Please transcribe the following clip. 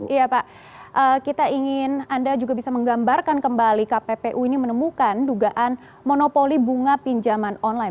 iya pak kita ingin anda juga bisa menggambarkan kembali kppu ini menemukan dugaan monopoli bunga pinjaman online